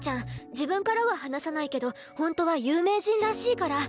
自分からは話さないけど本当は有名人らしいから。